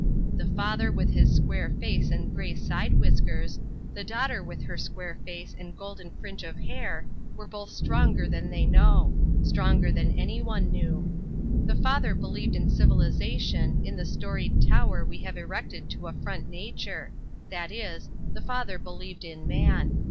The father with his square face and grey side whiskers, the daughter with her square face and golden fringe of hair, were both stronger than they know; stronger than anyone knew. The father believed in civilization, in the storied tower we have erected to affront nature; that is, the father believed in Man.